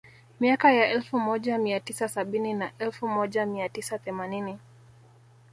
Miaka ya elfu moja mia tisa sabini na elfu moja mia tisa themanini